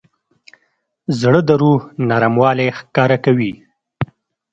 زړه د روح نرموالی ښکاره کوي.